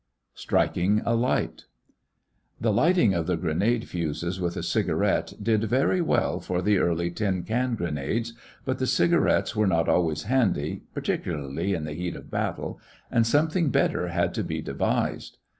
STRIKING A LIGHT The lighting of the grenade fuses with a cigarette did very well for the early tin can grenades, but the cigarettes were not always handy, particularly in the heat of battle, and something better had to be devised.